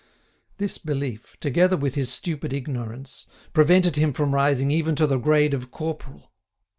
This belief, together with his stupid ignorance, prevented him from rising even to the grade of corporal.